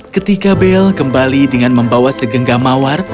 ketika belle kembali dengan membawa segenggak mawar